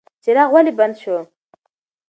څراغ ولې بند شو؟